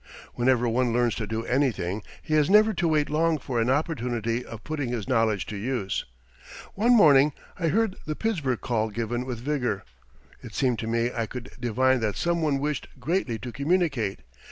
Whenever one learns to do anything he has never to wait long for an opportunity of putting his knowledge to use. One morning I heard the Pittsburgh call given with vigor. It seemed to me I could divine that some one wished greatly to communicate.